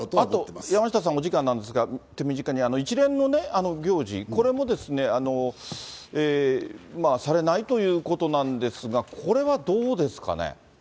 あと、山下さん、お時間なんですが、手短に、一連の行事、これもされないということなんですが、これはどうですかね。